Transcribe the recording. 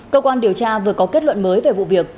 cơ quan điều tra vừa có kết luận mới về vụ việc